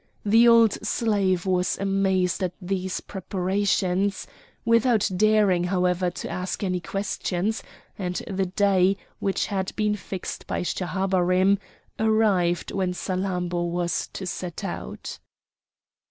The old slave was amazed at these preparations, without daring, however, to ask any questions; and the day, which had been fixed by Schahabarim, arrived when Salammbô was to set out.